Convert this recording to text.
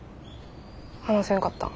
話せんかったん？